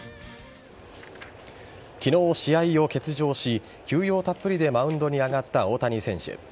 昨日試合を欠場し休養たっぷりでマウンドに上がった大谷選手。